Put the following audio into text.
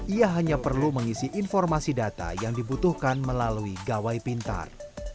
ia hanya perlu mengisi informasi data yang dibutuhkan melalui gawai pintar